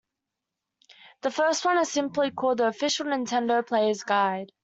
The first one is simply called "The Official Nintendo Player's Guide".